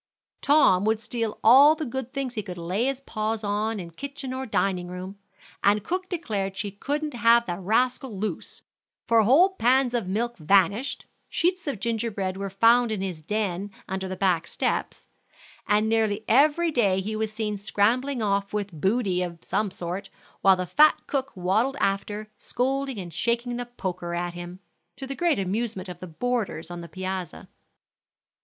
Tom would steal all the good things he could lay his paws on in kitchen or dining room, and cook declared she couldn't have the rascal loose; for whole pans of milk vanished, sheets of ginger bread were found in his den under the back steps, and nearly every day he was seen scrambling off with booty of some sort, while the fat cook waddled after, scolding and shaking the poker at him, to the great amusement of the boarders on the piazza.